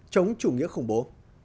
chống chủ nghĩa khủng bố